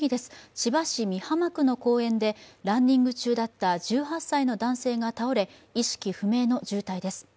千葉市美浜区の公園でランニング中だった１８歳の男性が倒れ意識不明の重体です。